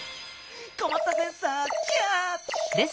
こまったセンサーキャッチ！